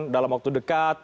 dalam waktu dekat